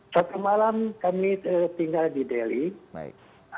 satu malam kami tinggal di delhi